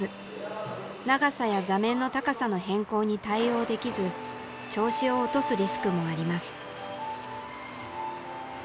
長さや座面の高さの変更に対応できず調子を落とすリスクもあります。